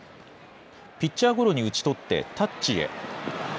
ピッチャーゴロに打ち取って、タッチへ。